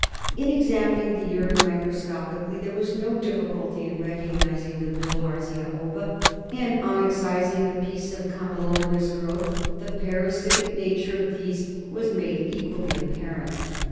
In examining the urine micro scopically there was no diffi culty in recognising the Bilharzia ova, and on ex cising a piece of condyloma tous growth the parasitic nature of these was made equally apparent.